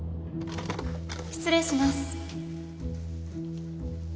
失礼します。